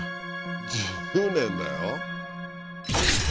１０年だよ。